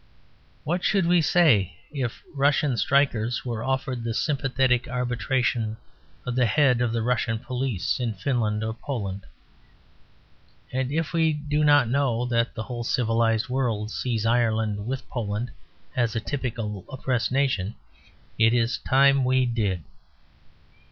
What should we say if Russian strikers were offered the sympathetic arbitration of the head of the Russian Police in Finland or Poland? And if we do not know that the whole civilised world sees Ireland with Poland as a typical oppressed nation, it is time we did.